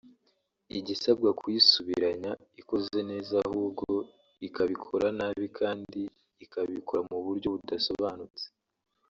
igasabwa kuyisubiranya ikoze neza ahubwo ikabikora nabi kandi ikabikora mu buryo budasobanutse